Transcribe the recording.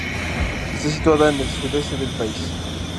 Estaba situada en el sudeste del país.